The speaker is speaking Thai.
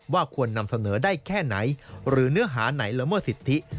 ควรนำเสนอได้แค่ไหนหรือเนื้อหาไหนละเมิดสิทธิ